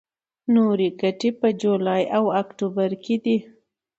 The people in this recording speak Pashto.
نورې ګڼې په جولای او اکتوبر کې دي.